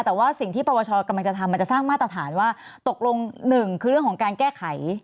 แต่ว่าสิ่งที่ปวชกำลังจะทำมันจะสร้างมาตรฐานว่าตกลงหนึ่งคือเรื่องของการแก้ไข